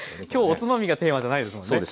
今日おつまみがテーマじゃないですもんね。